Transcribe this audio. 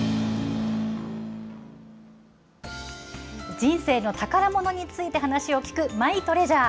人生の宝ものについて話を聞く、マイトレジャー。